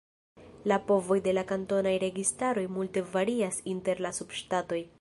La povoj de la kantonaj registaroj multe varias inter la subŝtatoj.